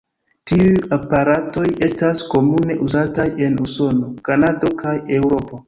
Tiuj aparatoj estas komune uzataj en Usono, Kanado kaj Eŭropo.